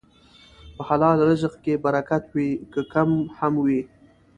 په حلال رزق کې برکت وي، که کم هم وي.